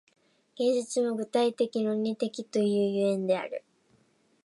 芸術も具体的論理的という所以である。